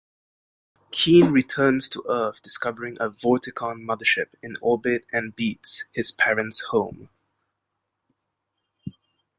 Keen returns to Earth-discovering a Vorticon mothership in orbit-and beats his parents home.